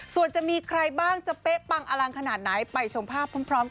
ส่วนจะมีใครบ้างจะเป๊ะปังอลังขนาดไหนไปชมภาพพร้อมกัน